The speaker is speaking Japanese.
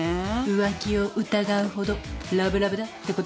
浮気を疑うほどラブラブだってことだよ。